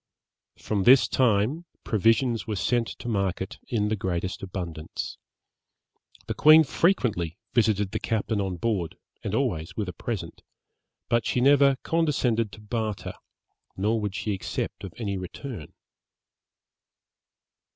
From this time, provisions were sent to market in the greatest abundance. The queen frequently visited the captain on board, and always with a present, but she never condescended to barter, nor would she accept of any return.